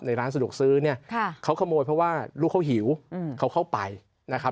ร้านสะดวกซื้อเนี่ยเขาขโมยเพราะว่าลูกเขาหิวเขาเข้าไปนะครับ